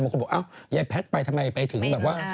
คนบอกอ้าวยายแพทย์ไปทำไมไปถึงแบบว่า